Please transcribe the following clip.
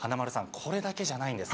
これだけじゃないんです。